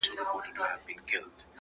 چي عبرت د لوى او کم، خان او نادار سي؛